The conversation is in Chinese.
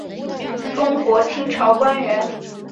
中国清朝官员。